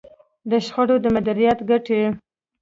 د شخړې د مديريت ګټې.